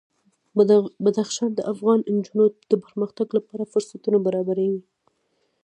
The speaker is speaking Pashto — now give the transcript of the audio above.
بدخشان د افغان نجونو د پرمختګ لپاره فرصتونه برابروي.